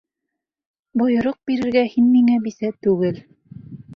Бойороҡ бирергә һин миңә бисә түгел!